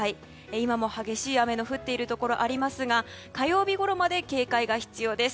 今も激しい雨が降っているところがありますが火曜日ごろまで警戒が必要です。